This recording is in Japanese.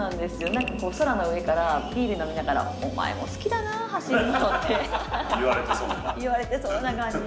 何かこう空の上からビール飲みながら「お前も好きだな走るの」って言われてそうな感じしますねはい。